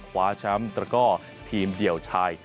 คว้าช้ำดรทีมเดี่ยวชาย